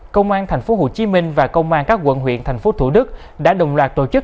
công an tp hcm và công an các quận huyện tp thủ đức đã đồng loạt tổ chức